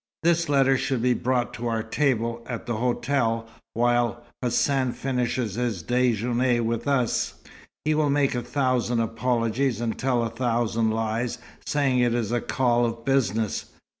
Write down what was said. This letter shall be brought to our table, at the hotel, while Hassan finishes his déjeuner with us. He will make a thousand apologies and tell a thousand lies, saying it is a call of business.